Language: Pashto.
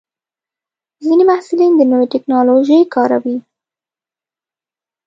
ځینې محصلین د نوې ټکنالوژۍ کاروي.